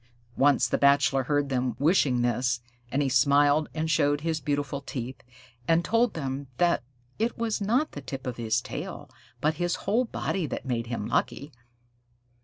Once the Bachelor heard them wishing this, and he smiled and showed his beautiful teeth, and told them that it was not the tip of his tail but his whole body that made him lucky.